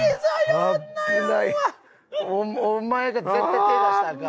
お前が絶対手出したらアカン。